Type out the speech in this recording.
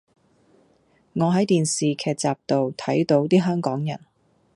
我喺電視劇集度睇倒啲香港人